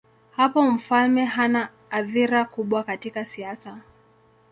Hapo mfalme hana athira kubwa katika siasa.